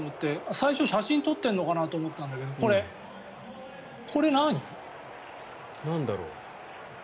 最初、写真を撮っているのかなと思ったんだけどなんだろう。